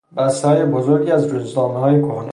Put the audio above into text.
بستههای بزرگی از روزنامههای کهنه